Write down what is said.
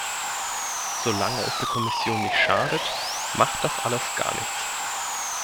Solange es der Kommission nicht schadet, macht das alles gar nichts.